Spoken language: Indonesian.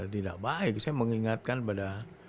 tidak baik saya mengingatkan pada